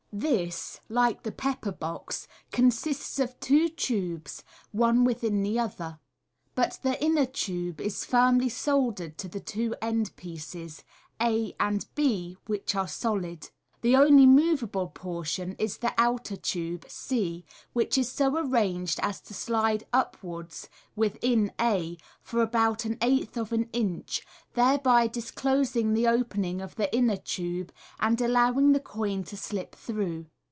This, like the pepper box, consists of two tubes one within the other ; but the inner tube is firmly soldr red to the two end pieces, a and b, which are solid. The only moveable portion is the outer tube c, which is so arranged as to slide upwards (within a) for about an eighth of an inch, thereby disclosing the opening of the inner tube, and allowing the coin to slip through.